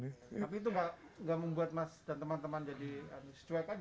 tapi itu nggak membuat mas dan teman teman jadi secuek aja